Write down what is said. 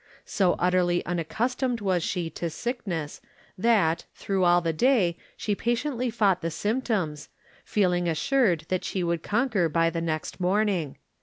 So utterly unaccustomed was she to sickness that, through all the day, she patiently fought the symptoms, feeling assured that she would conquer by the next morning.